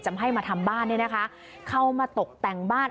ให้มาทำบ้านเนี่ยนะคะเข้ามาตกแต่งบ้าน